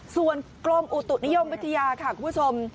ส่วนกรมอุตุนิยมวิทยาค่ะคุณผู้ชม